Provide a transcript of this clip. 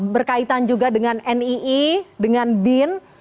berkaitan juga dengan nii dengan bin